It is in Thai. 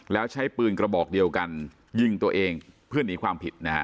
แล้วใช้ปืนกระบอกเดียวกันยิงตัวเองเพื่อหนีความผิดนะฮะ